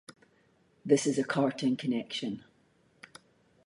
This is a Cartan connection.